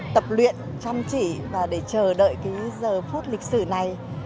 tập luyện chăm chỉ và để chờ đợi cái giờ phút lịch sử này